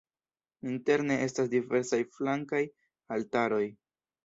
Interne estas diversaj flankaj altaroj.